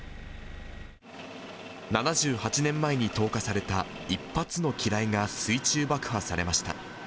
７８年前に投下された１発の機雷が水中爆破されました。